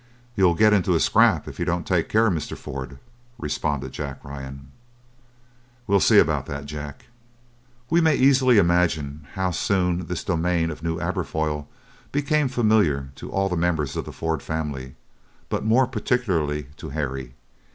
"You'll get into a scrap if you don't take care, Mr. Ford!" responded Jack Ryan. "We'll see about that, Jack!" We may easily imagine how soon this domain of New Aberfoyle became familiar to all the members of the Ford family, but more particularly to Harry.